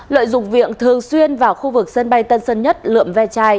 lợi dụng viện thường xuyên vào khu vực sân bay tân sơn nhất lượm ve chai